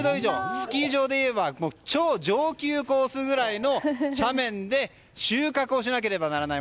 スキー場でいえば超上級コースくらいの斜面で収穫をしなければならない。